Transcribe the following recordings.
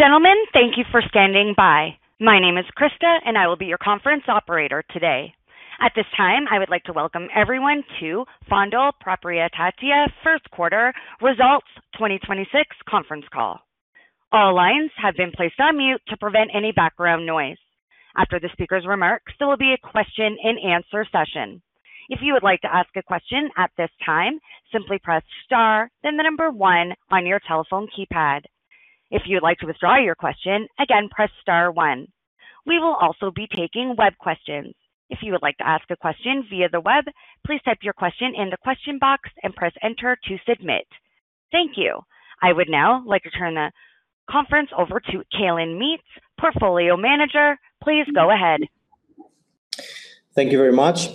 Ladies and gentlemen, thank you for standing by. My name is Krista. I will be your conference operator today. At this time, I would like to welcome everyone to Fondul Proprietatea first quarter results 2026 conference call. All lines have been placed on mute to prevent any background noise. After the speaker's remarks, there will be a question and answer session. If you would like to ask a question at this time, simply press star then the number one on your telephone keypad. If you would like to withdraw your question, again, press star one. We will also be taking web questions. If you would like to ask a question via the web, please type your question in the question box and press enter to submit. Thank you. I would now like to turn the conference over to Călin Meteș, Portfolio Manager. Please go ahead. Thank you very much.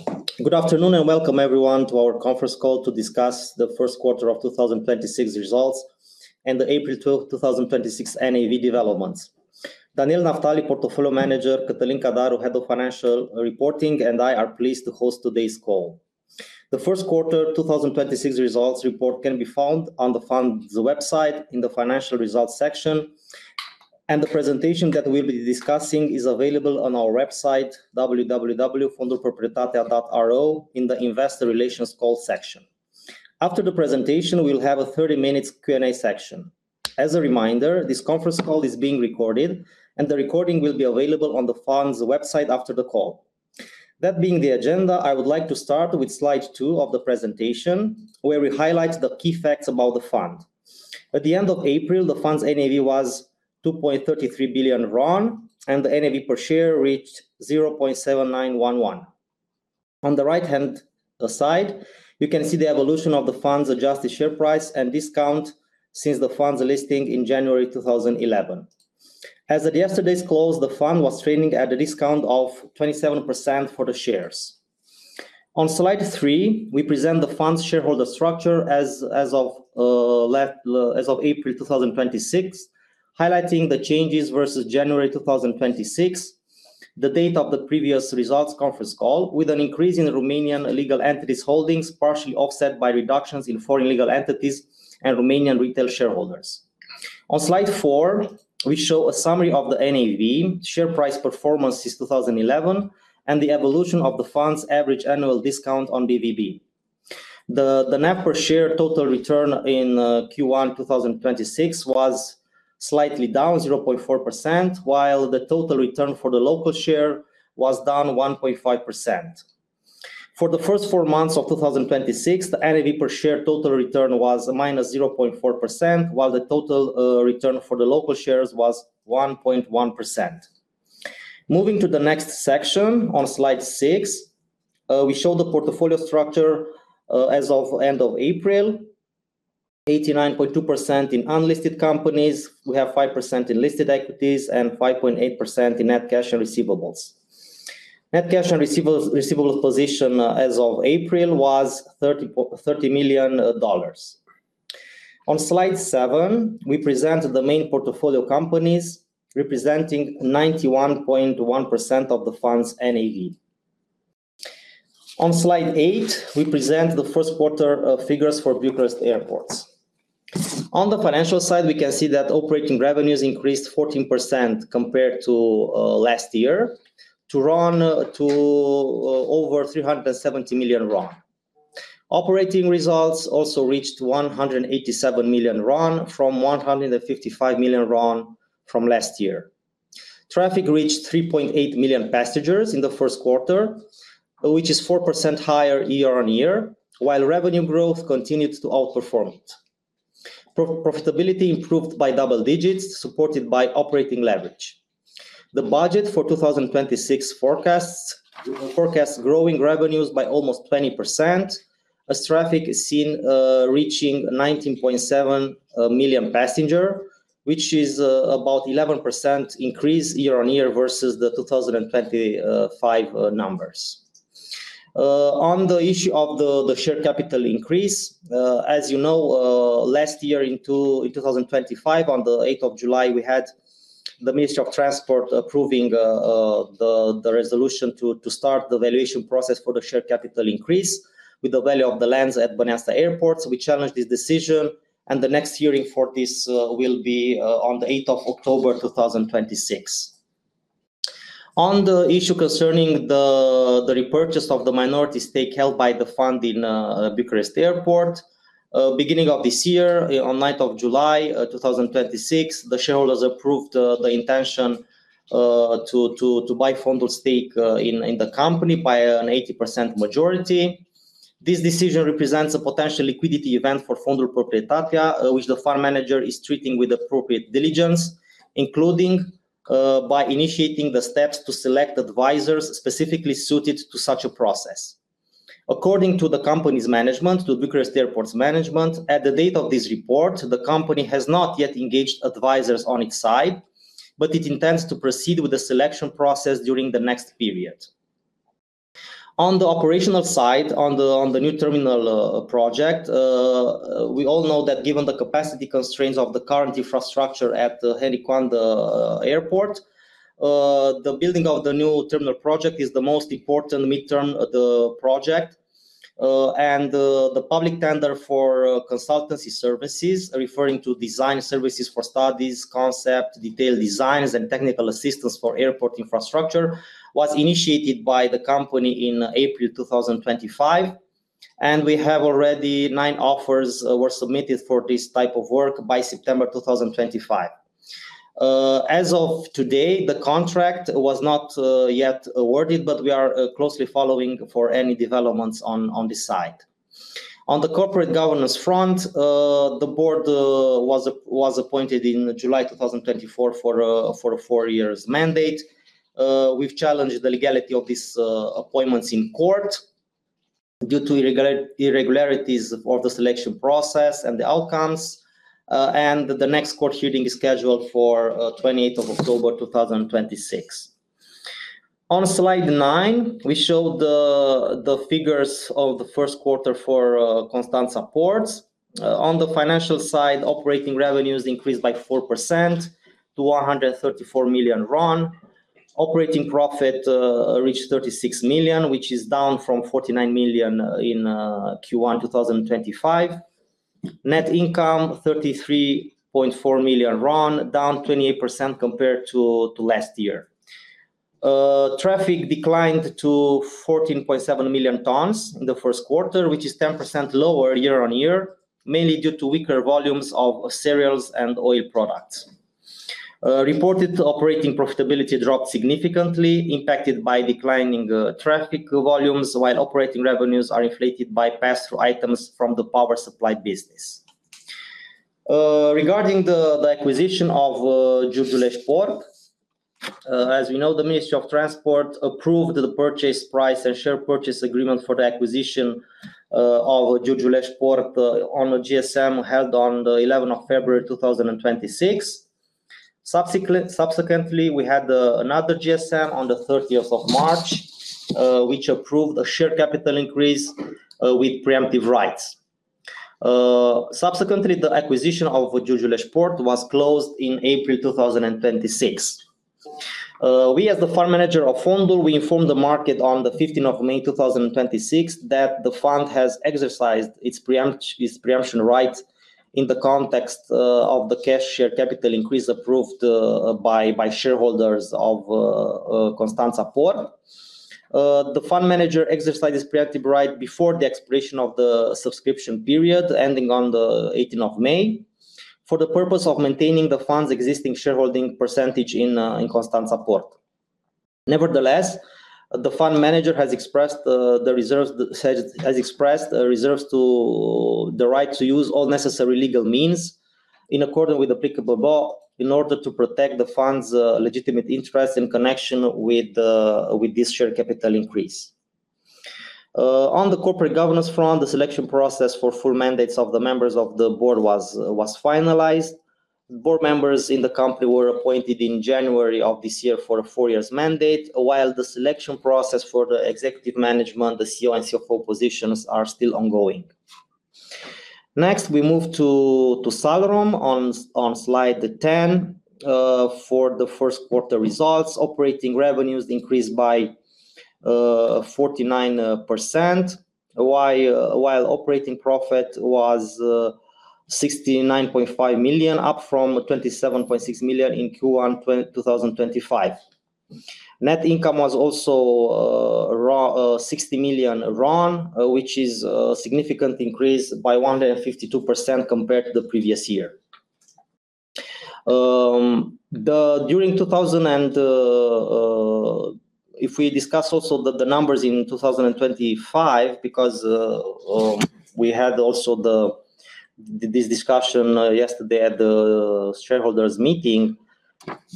Good afternoon and welcome everyone to our conference call to discuss the first quarter of 2026 results and the April 12, 2026, NAV developments. Daniel Naftali, Portfolio Manager, Catalin Cadaru, Head of Financial Reporting, and I are pleased to host today's call. The first quarter 2026 results report can be found on the fund's website in the financial results section. The presentation that we'll be discussing is available on our website, www.fondulproprietatea.ro in the investor relations call section. After the presentation, we'll have a 30-minute Q&A section. As a reminder, this conference call is being recorded. The recording will be available on the fund's website after the call. That being the agenda, I would like to start with slide two of the presentation, where we highlight the key facts about the fund. At the end of April, the fund's NAV was RON 2.33 billion, and the NAV per share reached RON 0.7911. On the right-hand side, you can see the evolution of the fund's adjusted share price and discount since the fund's listing in January 2011. As of yesterday's close, the fund was trading at a discount of 27% for the shares. On slide three, we present the fund's shareholder structure as of April 2026, highlighting the changes versus January 2026, the date of the previous results conference call, with an increase in Romanian legal entities holdings partially offset by reductions in foreign legal entities and Romanian retail shareholders. On slide four, we show a summary of the NAV share price performance since 2011 and the evolution of the fund's average annual discount on BVB. The NAV per share total return in Q1 2026 was slightly down 0.4%, while the total return for the local share was down 1.5%. For the first four months of 2026, the NAV per share total return was -0.4%, while the total return for the local shares was 1.1%. Moving to the next section on slide six, we show the portfolio structure as of end of April, 89.2% in unlisted companies. We have 5% in listed equities and 5.8% in net cash and receivables. Net cash and receivables position as of April was RON 30 million. On slide seven, we present the main portfolio companies representing 91.1% of the fund's NAV. On slide eight, we present the first quarter figures for Bucharest Airports. On the financial side, we can see that operating revenues increased 14% compared to last year to over RON 370 million. Operating results also reached RON 187 million from RON 155 million from last year. Traffic reached 3.8 million passengers in the first quarter, which is 4% higher year-on-year, while revenue growth continued to outperform it. Profitability improved by double digits, supported by operating leverage. The budget for 2026 forecasts growing revenues by almost 20%, as traffic is seen reaching 19.7 million passenger, which is about 11% increase year-on-year versus the 2025 numbers. On the issue of the share capital increase, as you know, last year in 2025, on the 8th of July, we had the Ministry of Transport approving the resolution to start the valuation process for the share capital increase with the value of the lands at Băneasa Airport. We challenged this decision, and the next hearing for this will be on the 8th of October 2026. On the issue concerning the repurchase of the minority stake held by the Fund in Bucharest Airport, beginning of this year, on 9th of July 2026, the shareholders approved the intention to buy Fondul stake in the company by an 80% majority. This decision represents a potential liquidity event for Fondul Proprietatea, which the fund manager is treating with appropriate diligence, including by initiating the steps to select advisors specifically suited to such a process. According to the company's management, to Bucharest Airport's management, at the date of this report, the company has not yet engaged advisors on its side, but it intends to proceed with the selection process during the next period. On the operational side, on the new terminal project, we all know that given the capacity constraints of the current infrastructure at Henri Coandă Airport, the building of the new terminal project is the most important midterm project. The public tender for consultancy services, referring to design services for studies, concept detail designs, and technical assistance for airport infrastructure, was initiated by the company in April 2025, and we have already nine offers were submitted for this type of work by September 2025. As of today, the contract was not yet awarded, we are closely following for any developments on this side. On the corporate governance front, the board was appointed in July 2024 for a four years mandate. We've challenged the legality of these appointments in court due to irregularities of the selection process and the outcomes. The next court hearing is scheduled for 28th of October 2026. On slide nine, we show the figures of the first quarter for Constanța Port. On the financial side, operating revenues increased by 4% to RON 134 million. Operating profit reached RON 36 million, which is down from RON 49 million in Q1 2025. Net income RON 33.4 million, down 28% compared to last year. Traffic declined to 14.7 million tons in the first quarter, which is 10% lower year-on-year, mainly due to weaker volumes of cereals and oil products. Reported operating profitability dropped significantly, impacted by declining traffic volumes, while operating revenues are inflated by pass-through items from the power supply business. Regarding the acquisition of Giurgiu Port. As we know, the Ministry of Transport approved the purchase price and share purchase agreement for the acquisition of Giurgiu Port on a GSM held on the 11th of February 2026. We had another GSM on the 30th of March, which approved a share capital increase with pre-emptive rights. The acquisition of Giurgiu Port was closed in April 2026. We, as the fund manager of Fondul, we informed the market on the 15th of May 2026 that the fund has exercised its pre-emption right in the context of the cash share capital increase approved by shareholders of Constanța Port. The fund manager exercised his pre-emptive right before the expiration of the subscription period ending on the 18th of May, for the purpose of maintaining the fund's existing shareholding percentage in Constanța Port. Nevertheless, the fund manager has expressed the reserves to the right to use all necessary legal means in accordance with applicable law in order to protect the fund's legitimate interests in connection with this share capital increase. On the corporate governance front, the selection process for full mandates of the members of the board was finalized. Board members in the company were appointed in January of this year for a four years mandate. While the selection process for the executive management, the CEO and CFO positions are still ongoing. Next, we move to Salrom on slide 10. For the first quarter results, operating revenues increased by 49%, while operating profit was 69.5 million RON, up from 27.6 million RON in Q1 2025. Net income was also 60 million RON, which is a significant increase by 152% compared to the previous year. We discuss also the numbers in 2025 because we had also this discussion yesterday at the shareholders' meeting.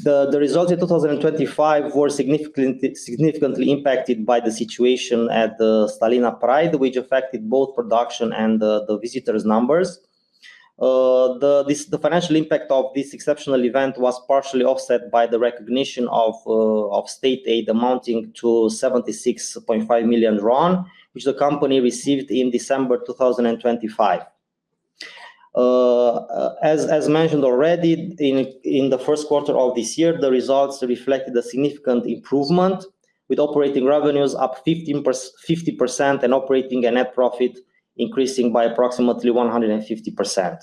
The results in 2025 were significantly impacted by the situation at the Salina Praid, which affected both production and the visitors' numbers. The financial impact of this exceptional event was partially offset by the recognition of state aid amounting to RON 76.5 million, which the company received in December 2025. As mentioned already in the first quarter of this year, the results reflected a significant improvement, with operating revenues up 50% and operating and net profit increasing by approximately 150%.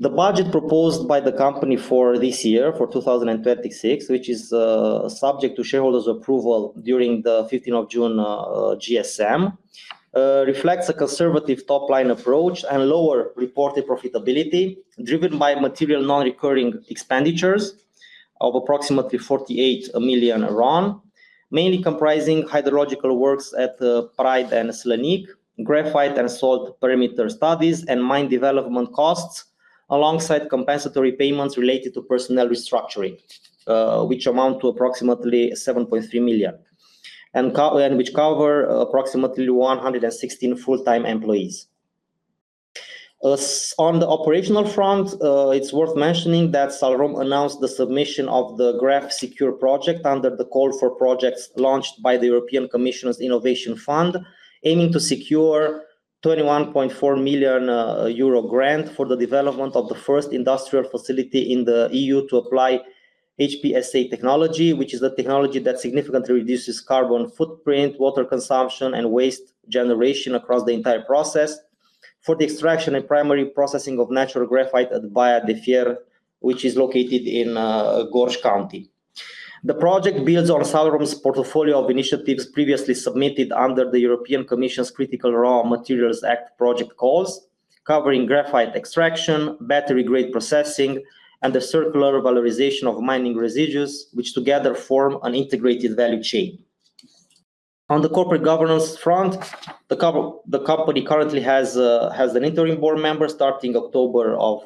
The budget proposed by the company for this year, for 2026, which is subject to shareholders' approval during the 15th of June GSM, reflects a conservative top-line approach and lower reported profitability, driven by material non-recurring expenditures of approximately RON 48 million, mainly comprising hydrological works at Praid and Slănic, graphite and salt perimeter studies and mine development costs, alongside compensatory payments related to personnel restructuring, which amount to approximately RON 7.3 million, and which cover approximately 116 full-time employees. On the operational front, it's worth mentioning that Salrom announced the submission of the GRAPH SECURE project under the call for projects launched by the European Commission's Innovation Fund, aiming to secure a 21.4 million euro grant for the development of the first industrial facility in the EU to apply HPSA technology, which is the technology that significantly reduces carbon footprint, water consumption, and waste generation across the entire process for the extraction and primary processing of natural graphite at Baia de Fier, which is located in Gorj County. The project builds on Salrom's portfolio of initiatives previously submitted under the European Commission's Critical Raw Materials Act project calls, covering graphite extraction, battery-grade processing, and the circular valorization of mining residues, which together form an integrated value chain. On the corporate governance front, the company currently has an interim board member starting October of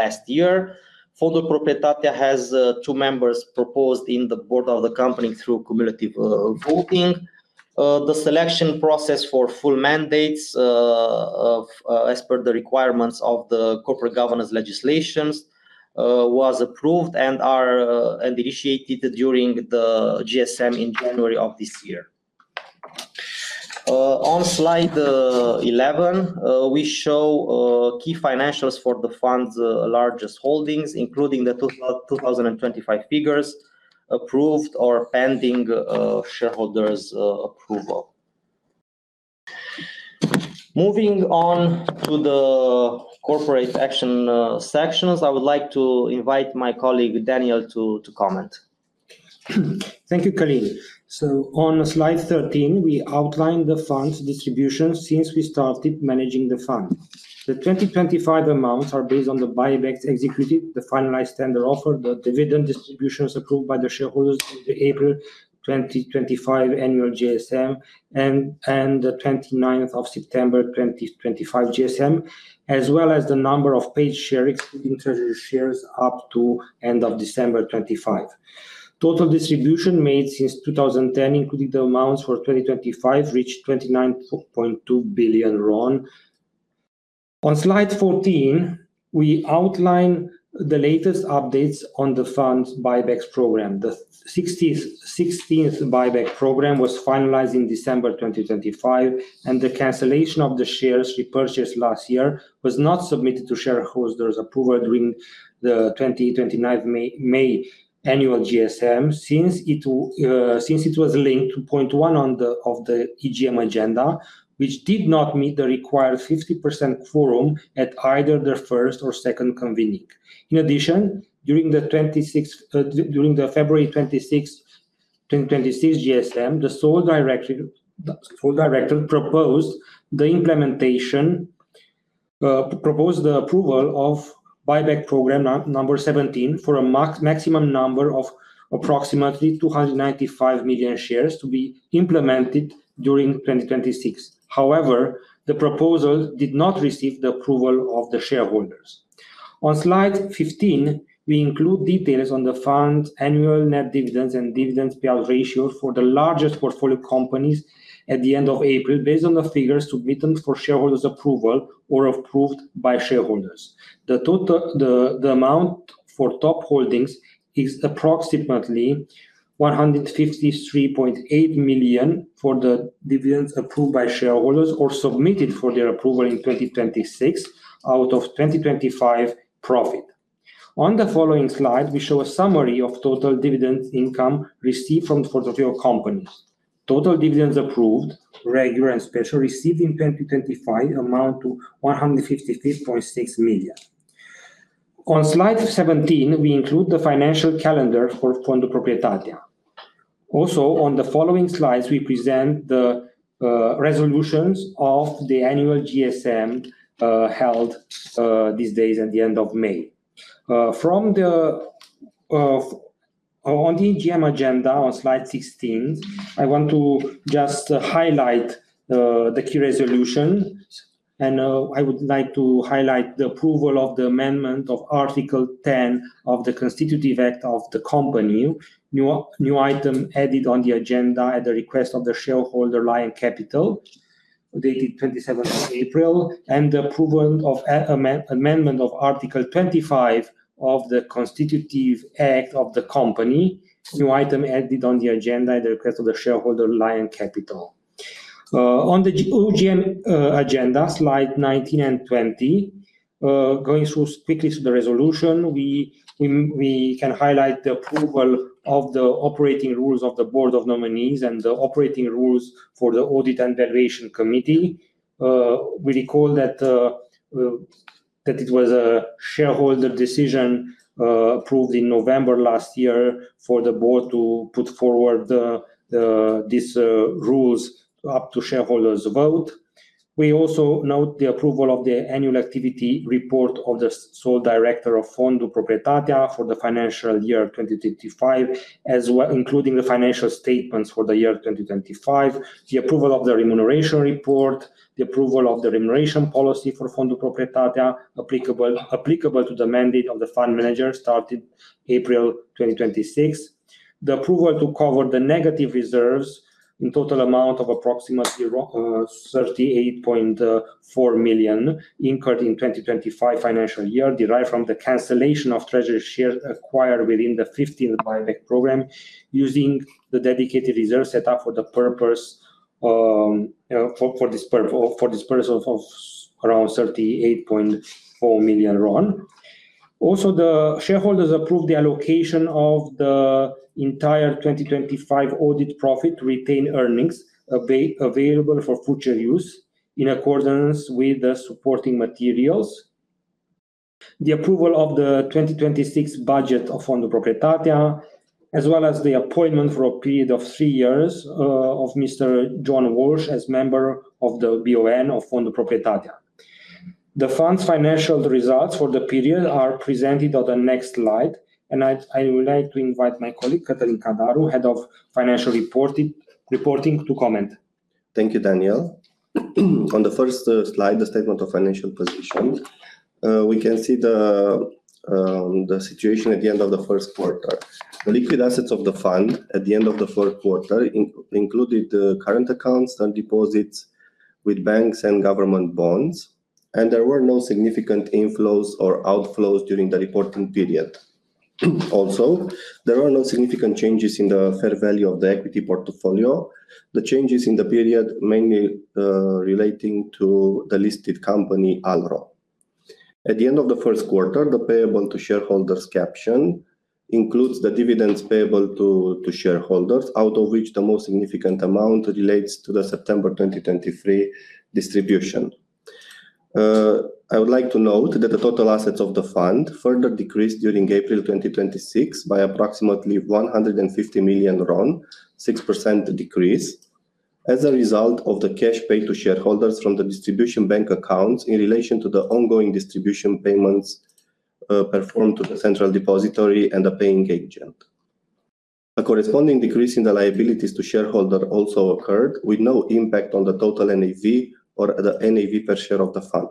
last year. Fondul Proprietatea has two members proposed in the board of the company through cumulative voting. The selection process for full mandates, as per the requirements of the corporate governance legislations, was approved and initiated during the GSM in January of this year. On slide 11, we show key financials for the fund's largest holdings, including the 2025 figures approved or pending shareholders approval. Moving on to the corporate action sections, I would like to invite my colleague Daniel to comment. Thank you, Călin. On slide 13, we outline the fund's distributions since we started managing the fund. The 2025 amounts are based on the buybacks executed, the finalized tender offer, the dividend distributions approved by the shareholders in the April 2025 annual GSM, and the 29th of September 2025 GSM, as well as the number of paid shares including treasury shares up to end of December 2025. Total distribution made since 2010, including the amounts for 2025, reached RON 29.2 billion. On slide 14, we outline the latest updates on the fund's buybacks program. The 16th buyback program was finalized in December 2025, and the cancellation of the shares repurchased last year was not submitted to shareholders approval during the 2026 May annual GSM since it was linked to point one of the EGM agenda, which did not meet the required 50% quorum at either the first or second convening. In addition, during the February 26th, 2026 GSM, the sole director proposed the approval of buyback program number 17 for a maximum number of approximately 295 million shares to be implemented during 2026. However, the proposal did not receive the approval of the shareholders. On slide 15, we include details on the fund's annual net dividends and dividend payout ratio for the largest portfolio companies at the end of April, based on the figures submitted for shareholders approval or approved by shareholders. The amount for top holdings is approximately RON 153.8 million for the dividends approved by shareholders or submitted for their approval in 2026 out of 2025 profit. On the following slide, we show a summary of total dividend income received from portfolio companies. Total dividends approved, regular and special, received in 2025 amount to RON 155.6 million. On slide 17, we include the financial calendar for Fondul Proprietatea. Also, on the following slides, we present the resolutions of the annual GSM held these days at the end of May. On the EGM agenda on slide 16, I want to just highlight the key resolutions, and I would like to highlight the approval of the amendment of Article 10 of the Constitutive Act of the company. New item added on the agenda at the request of the shareholder, Lion Capital, dated 27th of April. The approval of amendment of Article 25 of the Constitutive Act of the company. New item added on the agenda at the request of the shareholder, Lion Capital. On the OGM agenda, slide 19 and 20, going through quickly through the resolution, we can highlight the approval of the operating rules of the Board of Nominees and the operating rules for the audit and valuation committee. We recall that it was a shareholder decision approved in November last year for the board to put forward these rules up to shareholders vote. We also note the approval of the annual activity report of the sole director of Fondul Proprietatea for the financial year 2025, including the financial statements for the year 2025, the approval of the remuneration report, the approval of the remuneration policy for Fondul Proprietatea applicable to the mandate of the fund manager started April 2026. The approval to cover the negative reserves in total amount of approximately RON 38.4 million incurred in 2025 financial year derived from the cancellation of treasury shares acquired within the 15 buyback program using the dedicated reserve set up for the purpose for disposal of around RON 38.4 million. The shareholders approved the allocation of the entire 2025 audit profit retained earnings available for future use in accordance with the supporting materials. The approval of the 2026 budget of Fondul Proprietatea, as well as the appointment for a period of three years of Mr. John Walsh as member of the BON of Fondul Proprietatea. The fund's financial results for the period are presented on the next slide, and I would like to invite my colleague, Catalin Cadaru, Head of Financial Reporting, to comment. Thank you, Daniel. On the first slide, the statement of financial position. We can see the situation at the end of the first quarter. The liquid assets of the fund at the end of the first quarter included current accounts and deposits with banks and government bonds, and there were no significant inflows or outflows during the reporting period. Also, there are no significant changes in the fair value of the equity portfolio. The changes in the period mainly relating to the listed company, Alro. At the end of the first quarter, the payable to shareholders caption includes the dividends payable to shareholders, out of which the most significant amount relates to the September 2023 distribution. I would like to note that the total assets of the fund further decreased during April 2026 by approximately RON 150 million, 6% decrease, as a result of the cash paid to shareholders from the distribution bank accounts in relation to the ongoing distribution payments performed to the central depository and the paying agent. A corresponding decrease in the liabilities to shareholder also occurred with no impact on the total NAV or the NAV per share of the fund.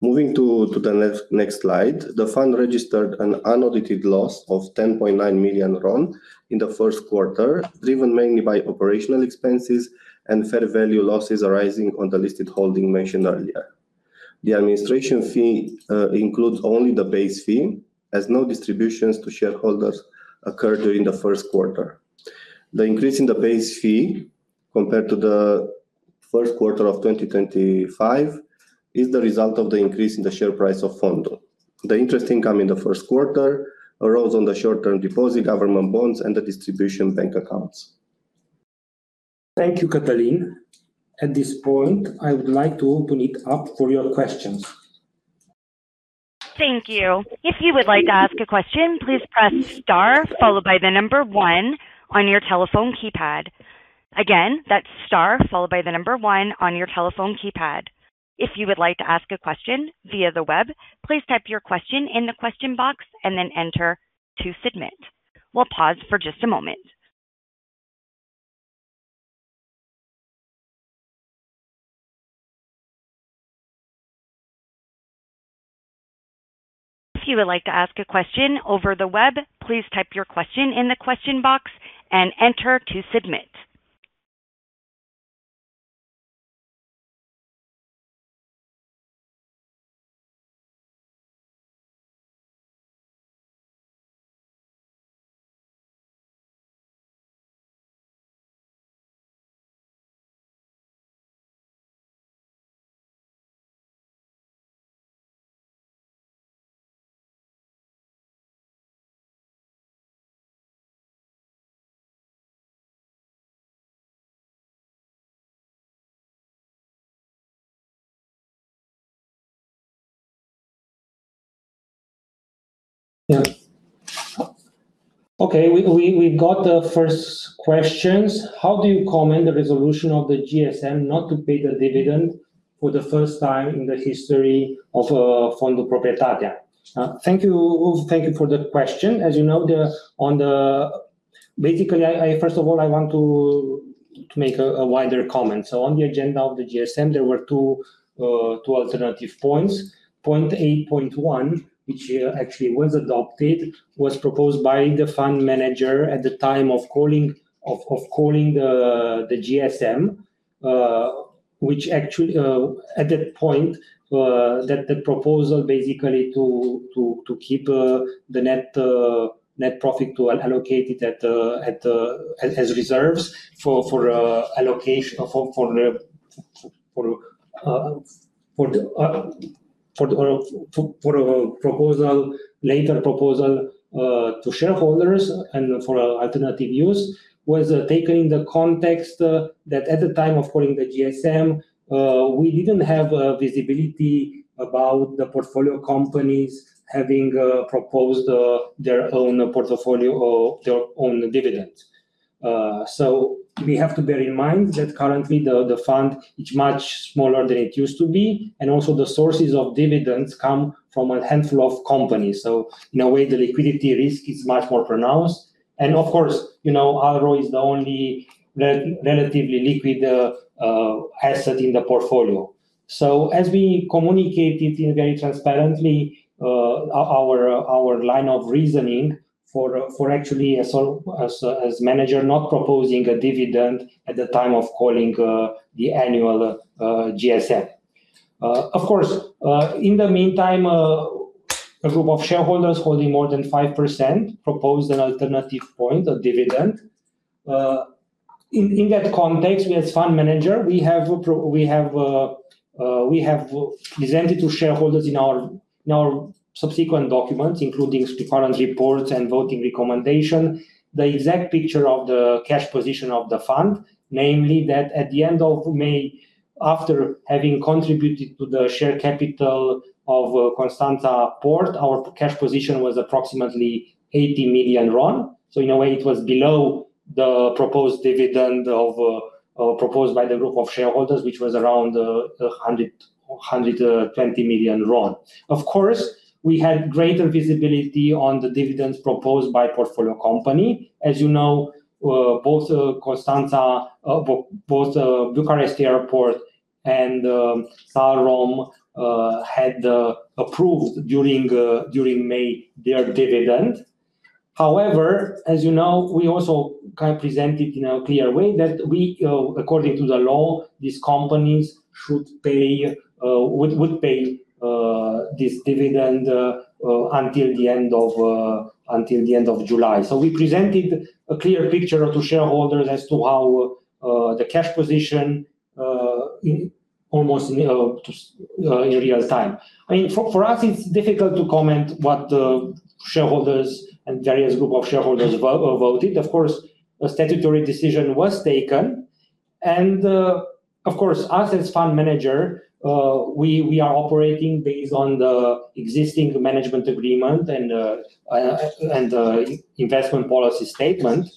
Moving to the next slide. The fund registered an unaudited loss of RON 10.9 million in the first quarter, driven mainly by operational expenses and fair value losses arising on the listed holding mentioned earlier. The administration fee includes only the base fee, as no distributions to shareholders occurred during the first quarter. The increase in the base fee compared to the first quarter of 2025 is the result of the increase in the share price of Fondul. The interest income in the first quarter arose on the short-term deposit, government bonds, and the distribution bank accounts. Thank you, Catalin. At this point, I would like to open it up for your questions. Thank you. If you would like to ask a question, please press star followed by the number one on your telephone keypad. Again, that's star followed by the number one on your telephone keypad. If you would like to ask a question via the web, please type your question in the question box and then enter to submit. We'll pause for just a moment. If you would like to ask a question over the web, please type your question in the question box and enter to submit. We got the first questions. How do you comment the resolution of the GSM not to pay the dividend for the first time in the history of Fondul Proprietatea? Thank you for the question. First of all, I want to make a wider comment. On the agenda of the GSM, there were two alternative points, point 8.1, which actually was adopted, was proposed by the fund manager at the time of calling the GSM, which actually at that point, that the proposal basically to keep the net profit to allocate it as reserves for a later proposal to shareholders and for alternative use, was taken in the context that at the time of calling the GSM, we didn't have visibility about the portfolio companies having proposed their own portfolio or their own dividend. We have to bear in mind that currently the fund is much smaller than it used to be, and also the sources of dividends come from a handful of companies. In a way, the liquidity risk is much more pronounced. Of course, ALRO is the only relatively liquid asset in the portfolio. As we communicated very transparently, our line of reasoning for actually as manager, not proposing a dividend at the time of calling the annual GSM. Of course, in the meantime, a group of shareholders holding more than 5% proposed an alternative point of dividend. In that context, we as fund manager, we have presented to shareholders in our subsequent documents, including performance reports and voting recommendation, the exact picture of the cash position of the fund. Namely that at the end of May, after having contributed to the share capital of Port of Constanța, our cash position was approximately RON 80 million. In a way, it was below the proposed dividend proposed by the group of shareholders, which was around RON 120 million. Of course, we had greater visibility on the dividends proposed by portfolio company. As you know, both Bucharest Airport and Salrom had approved during May their dividend. As you know, we also presented in a clear way that according to the law, these companies would pay this dividend until the end of July. We presented a clear picture to shareholders as to how the cash position almost in real time. For us, it's difficult to comment what the shareholders and various group of shareholders voted. Of course, a statutory decision was taken, and of course, us as fund manager, we are operating based on the existing management agreement and investment policy statement.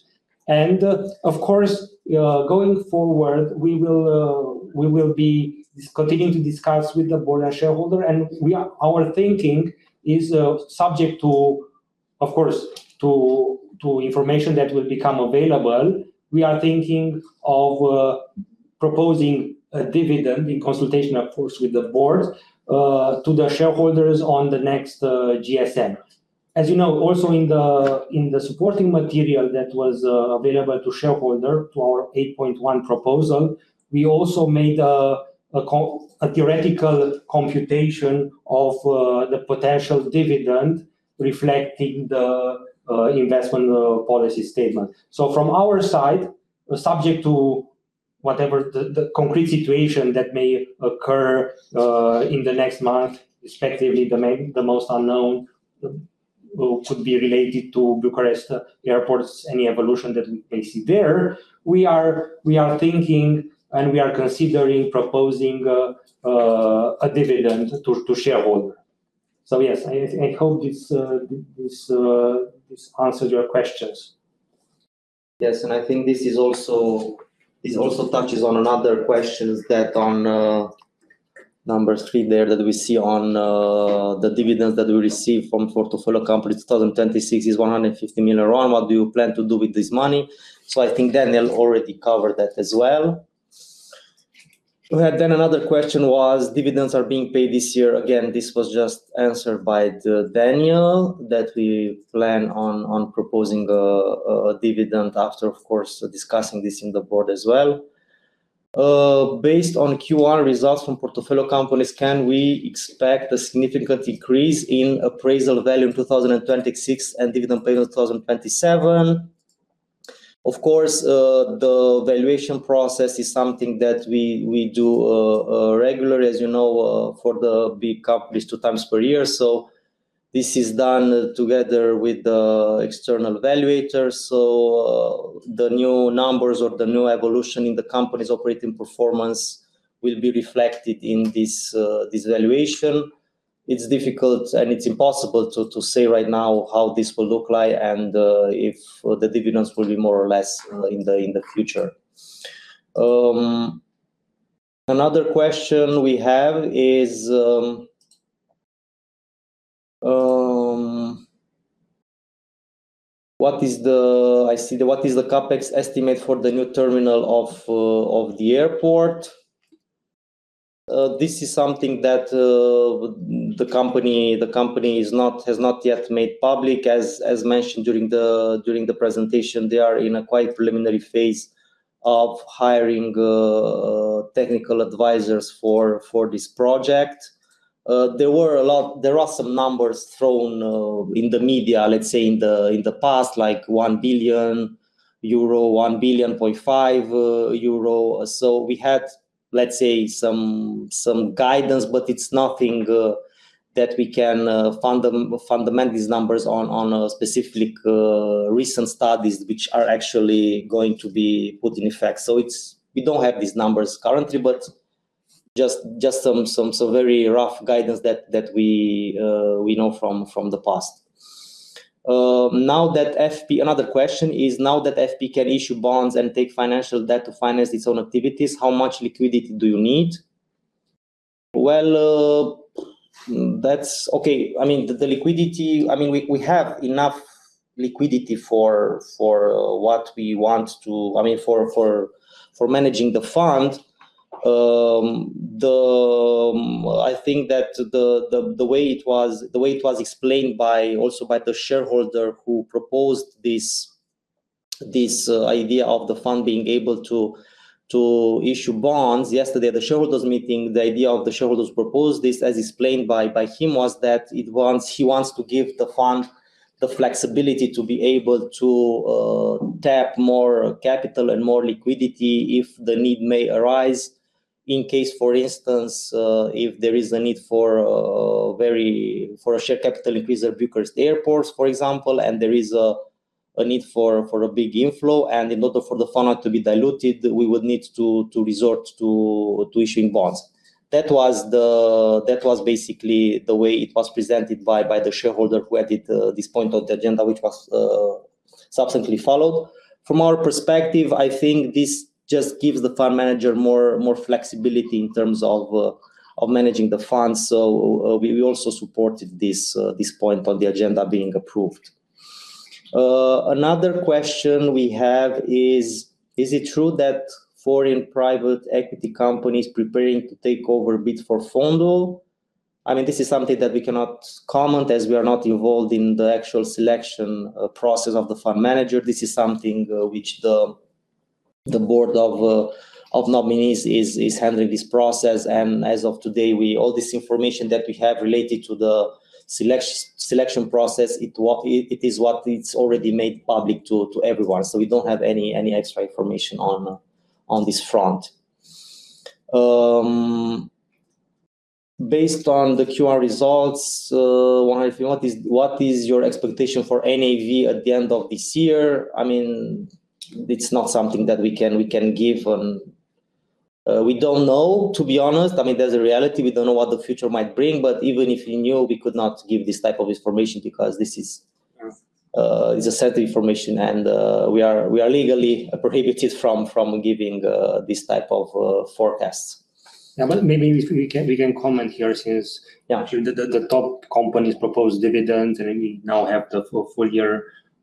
Of course going forward, we will be continuing to discuss with the Board and shareholder, and our thinking is subject to, of course, information that will become available. We are thinking of proposing a dividend in consultation of course, with the Board, to the shareholders on the next GSM. As you know, also in the supporting material that was available to shareholder for our 8.1 proposal, we also made a theoretical computation of the potential dividend reflecting the investment policy statement. From our side, subject to whatever the concrete situation that may occur in the next month, respectively, the most unknown could be related to Bucharest airports, any evolution that we may see there. We are thinking and we are considering proposing a dividend to shareholder. Yes, I hope this answers your questions. Yes, I think this also touches on another question that on number three there that we see on the dividend that we receive from portfolio companies, 2026 is RON 150 million. What do you plan to do with this money? I think Daniel already covered that as well. We had then another question was, dividends are being paid this year. Again, this was just answered by Daniel, that we plan on proposing a dividend after, of course, discussing this in the board as well. Based on Q1 results from portfolio companies, can we expect a significant increase in appraisal value in 2026 and dividend pay in 2027? Of course, the valuation process is something that we do regularly, as you know, for the big companies, two times per year. This is done together with the external evaluators. The new numbers or the new evolution in the company's operating performance will be reflected in this valuation. It is difficult and it is impossible to say right now how this will look like and if the dividends will be more or less in the future. Another question we have is, what is the CAPEX estimate for the new terminal of the airport? This is something that the company has not yet made public. As mentioned during the presentation, they are in a quite preliminary phase of hiring technical advisors for this project. There are some numbers thrown in the media, let's say in the past, like 1 billion euro, 1.5 billion. We had, let's say some guidance, but it is nothing that we can fundament these numbers on specific recent studies, which are actually going to be put in effect. We don't have these numbers currently, but just some very rough guidance that we know from the past. Another question is, now that FP can issue bonds and take financial debt to finance its own activities, how much liquidity do you need? That's okay. We have enough liquidity for managing the fund. I think that the way it was explained also by the shareholder who proposed this idea of the fund being able to issue bonds. Yesterday, at the shareholders meeting, the idea of the shareholders proposed this, as explained by him, was that he wants to give the fund the flexibility to be able to tap more capital and more liquidity if the need may arise. In case, for instance, if there is a need for a share capital increase at Bucharest Airports, for example, and there is a need for a big inflow, and in order for the fund not to be diluted, we would need to resort to issuing bonds. That was basically the way it was presented by the shareholder who added this point on the agenda, which was subsequently followed. From our perspective, I think this just gives the fund manager more flexibility in terms of managing the funds. We also supported this point on the agenda being approved. Another question we have is it true that foreign private equity companies preparing to take over bids for Fondul? This is something that we cannot comment as we are not involved in the actual selection process of the fund manager. This is something which the Board of Nominees is handling this process. As of today, all this information that we have related to the selection process, it is what it's already made public to everyone. We don't have any extra information on this front. Based on the Q1 results, I wonder if you want, what is your expectation for NAV at the end of this year? It's not something that we can give. We don't know, to be honest. There's a reality we don't know what the future might bring. Even if we knew, we could not give this type of information because this is a set information. We are legally prohibited from giving this type of forecasts. Yeah, maybe we can comment here since. Yeah The top companies propose dividends, we now have the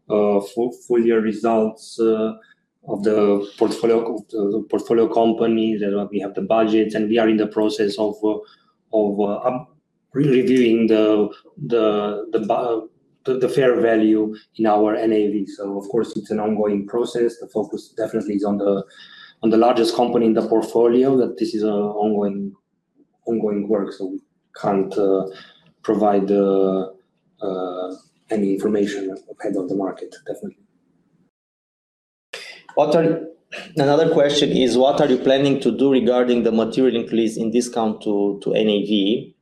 full-year results of the portfolio companies, we have the budget, we are in the process of re-reviewing the fair value in our NAV. Of course, it's an ongoing process. The focus definitely is on the largest company in the portfolio, that this is ongoing work, we can't provide any information ahead of the market, definitely. Another question is, what are you planning to do regarding the material increase in discount to NAV?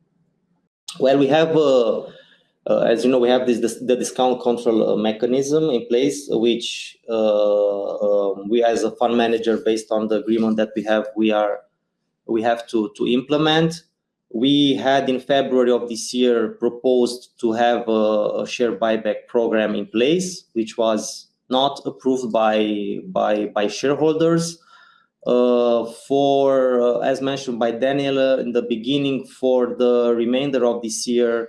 As you know, we have the discount control mechanism in place, which we as a fund manager, based on the agreement that we have to implement. We had in February of this year, proposed to have a share buyback program in place, which was not approved by shareholders. As mentioned by Daniel in the beginning, for the remainder of this year,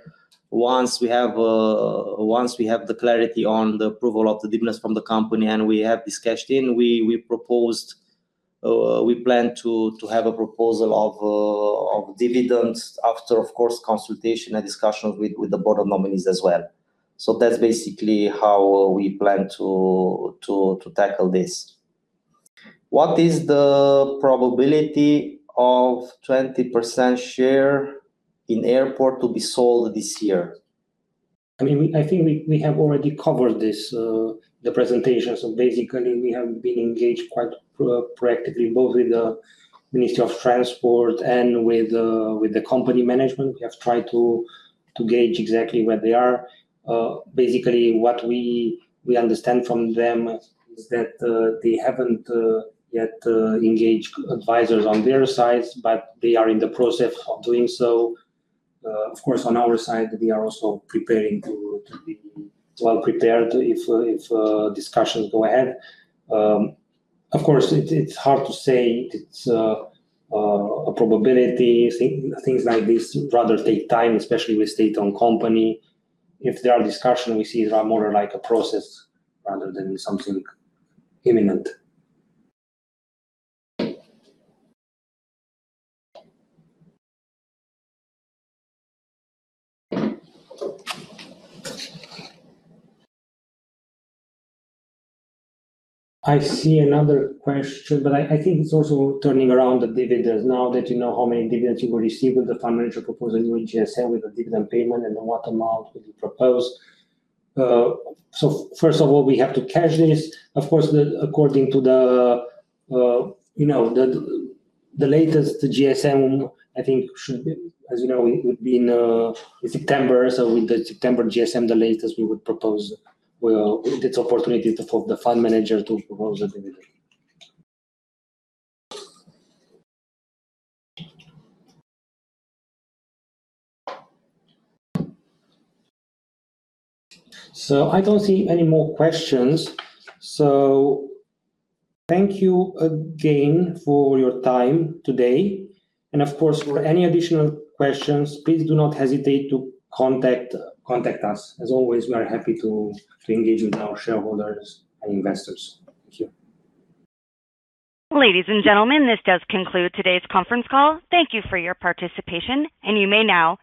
once we have the clarity on the approval of the dividends from the company and we have this cashed in, we plan to have a proposal of dividends after, of course, consultation and discussions with the Board of Nominees as well. That's basically how we plan to tackle this. What is the probability of 20% share in airport to be sold this year? I think we have already covered this, the presentation. Basically, we have been engaged quite proactively, both with the Ministry of Transport and with the company management. We have tried to gauge exactly where they are. Basically, what we understand from them is that they haven't yet engaged advisors on their sides, but they are in the process of doing so. Of course, on our side, we are also preparing to be well-prepared if discussions go ahead. Of course, it's hard to say. It's a probability. Things like this rather take time, especially with state-owned company. If there are discussions, we see it more like a process rather than something imminent. I see another question, I think it's also turning around the dividends. Now that you know how many dividends you will receive, will the fund manager propose a new GSM with the dividend payment, and what amount will you propose? First of all, we have to cash this. Of course, according to the latest GSM, I think, as you know, it would be in September. With the September GSM, the latest we would propose, well, it's opportunity for the fund manager to propose the dividend. I don't see any more questions. Thank you again for your time today. Of course, for any additional questions, please do not hesitate to contact us. As always, we are happy to engage with our shareholders and investors. Thank you. Ladies and gentlemen, this does conclude today's conference call. Thank you for your participation, and you may now.